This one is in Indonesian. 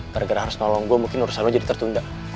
karena harus nolong gue mungkin urusan lo jadi tertunda